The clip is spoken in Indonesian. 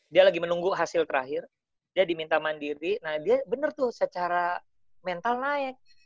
dia lagi menunggu hasil terakhir dia diminta mandiri nah dia benar tuh secara mental naik